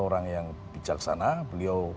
orang yang bijaksana beliau